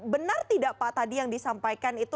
benar tidak pak tadi yang disampaikan itu